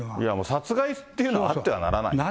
殺害っていうのはあってはならないですよ。